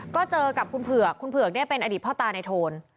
ก็เจอกับคุณเผือกคุณเผือกเป็นอดีตพ่อตาในโทน